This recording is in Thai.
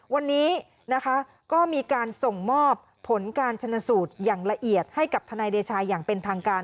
วันนี้นะคะก็มีการส่งมอบผลการชนสูตรอย่างละเอียดให้กับทนายเดชาอย่างเป็นทางการ